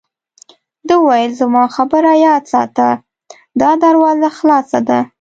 ده وویل: زما خبره یاد ساته، دا دروازه خلاصه ده.